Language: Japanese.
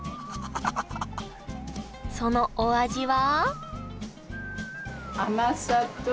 そのお味は？